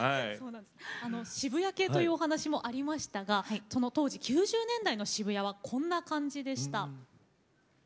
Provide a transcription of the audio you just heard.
渋谷系というお話が出てきましたけどその当時、９０年代の渋谷はこんな感じでした。